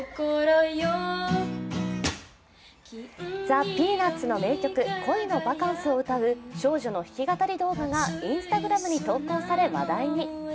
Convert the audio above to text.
ザ・ピーナッツの名曲「恋のバカンス」を歌う少女の弾き語り動画がＩｎｓｔａｇｒａｍに投稿され、話題に。